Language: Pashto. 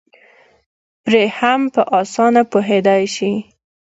پرې هم په اسانه پوهېدی شي